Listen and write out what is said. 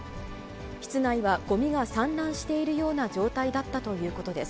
室内はごみが散乱しているような状態だったということです。